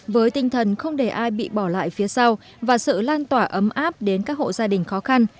với tinh thần không để ai bị bỏ lại phía sau và sự lan tỏa ấm áp đến các hộ gia đình khó khăn